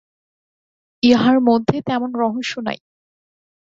ইহার মধ্যে তেমন রহস্য নাই।